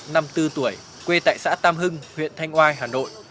năm mươi bốn tuổi quê tại xã tam hưng huyện thanh oai hà nội